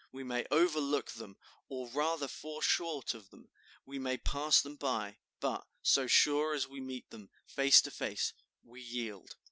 We may overlook them, or rather fall short of them; we may pass them by, but, so sure as we meet them face to face, we yield."